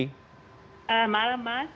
selamat malam mas